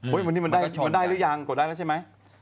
วันนี้มันได้หรือยังกดได้แล้วใช่ไหม